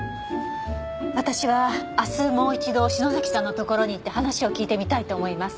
私は明日もう一度篠崎さんのところに行って話を聞いてみたいと思います。